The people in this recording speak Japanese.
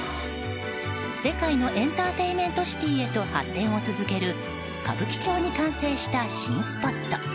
世界のエンターテインメントシティーへと発展を続ける歌舞伎町に完成した新スポット。